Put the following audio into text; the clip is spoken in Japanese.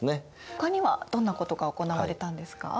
ほかにはどんなことが行われたんですか？